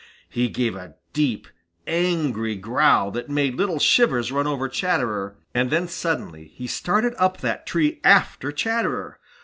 He gave a deep, angry growl that made little shivers run over Chatterer, and then suddenly he started up that tree after Chatterer.